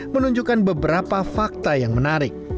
menunjukkan beberapa fakta yang menarik